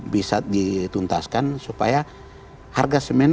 bisa dituntaskan supaya harga semen